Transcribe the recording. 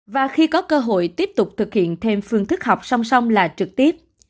và khi có cơ hội tiếp tục thực hiện thêm phương thức học song song là trực tiếp